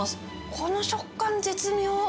この食感、絶妙。